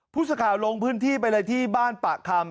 ผู้สื่อข่าวลงพื้นที่ไปเลยที่บ้านปะคำ